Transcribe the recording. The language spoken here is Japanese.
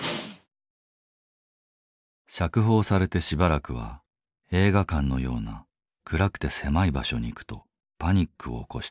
釈放されてしばらくは映画館のような暗くて狭い場所に行くとパニックを起こした。